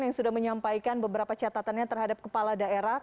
yang sudah menyampaikan beberapa catatannya terhadap kepala daerah